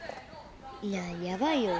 いややばいよ